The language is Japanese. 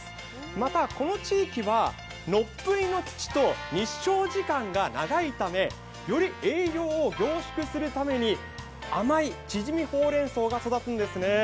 またこの地域はのっぷいの土と、日照時間が長いためより栄養を凝縮するために甘いちぢみほうれん草が育つんですね。